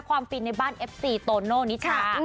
ฟินในบ้านเอฟซีโตโน่นิชา